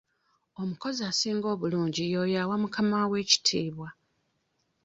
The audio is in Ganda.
Omukozi asinga obulungi y'oyo awa mukaamawe ekitiibwa.